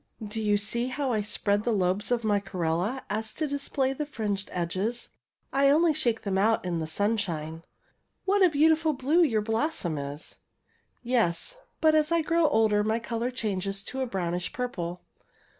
'' Do you see how I spread the lobes of my corolla so as to display the fringed edges? I only shake them out in the sunshine." ^^ What a beautiful blue your blossom is!'' ^' Yes, but as I grow older my colour changes to a brownish purple.